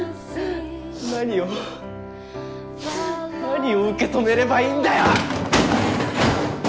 何を何を受け止めればいいんだよ！